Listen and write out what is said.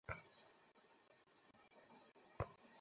আশপাশের বস্তি থেকে যাঁরা দেখতে এসেছেন, তাঁদেরও দাঁড়াতে দেওয়া হলো না।